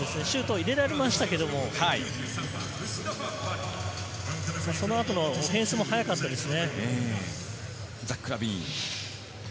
シュート入れられましたけれども、その後のオフェンスも速かったですね。